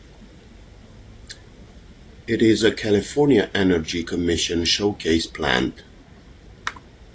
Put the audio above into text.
It is a California Energy Commission Showcase Plant.